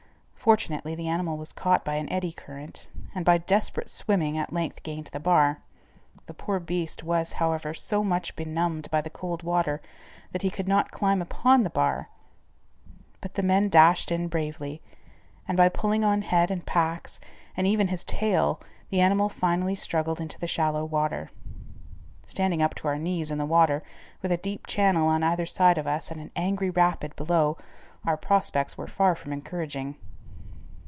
Fortunately, the animal was caught by an eddy current, and by desperate swimming at length gained the bar. The poor beast was, however, so much benumbed by the cold water that he could not climb upon the bar, but the men dashed in bravely, and by pulling on head and packs, and even his tail, the animal finally struggled into shallow water. Standing up to our knees in the water, with a deep channel on either side of us and an angry rapid below, our prospects were far from encouraging.